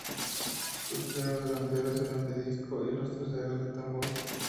Sus frenos delanteros eran de disco y los traseros de tambor.